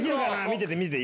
見てて！